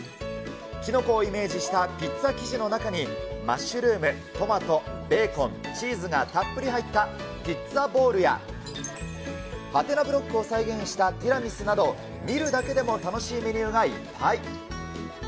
キノコをイメージしたピッツァ生地の中にマッシュルーム、トマト、ベーコン、チーズがたっぷり入ったピッツァボウルや、ハテナブロックを再現したティラミスなど、見るだけでも楽しいメニューがいっぱい。